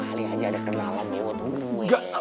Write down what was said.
tali aja ada kenalan gue dulu